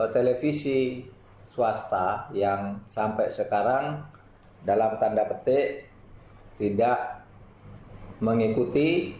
televisi swasta yang sampai sekarang dalam tanda petik tidak mengikuti